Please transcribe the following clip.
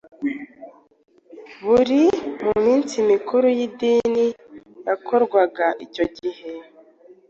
bari mu minsi mikuru y’idini yakorwaga icyo gihe.